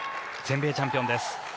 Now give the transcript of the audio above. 全米チャンピオンです。